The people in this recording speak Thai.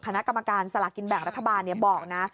คณะกรรมการสลากินแบ่งรัฐบาลบอกนะ